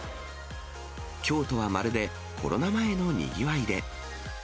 京都はまるで、コロナ前のにぎわいで。